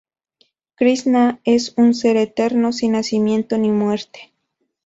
Krisná es un ser eterno, sin nacimiento ni muerte.